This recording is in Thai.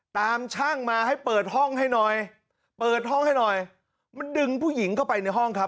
ตามช่างมาให้เปิดห้องให้หน่อยเปิดห้องให้หน่อยมันดึงผู้หญิงเข้าไปในห้องครับ